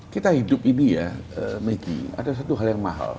kita hidup ini ya maggie ada satu hal yang mahal